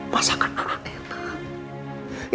masakan aa enak